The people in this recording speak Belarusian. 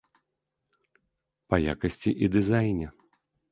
Па якасці і дызайне.